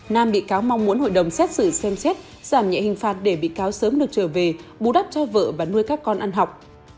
nam bị cáo mong muốn hội đồng xét xử xem xét giảm nhẹ hình phạt để bị cáo sớm được trở về bù đắp cho vợ và nuôi các con ăn học